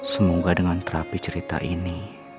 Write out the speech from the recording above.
semoga dengan terapi cerita ini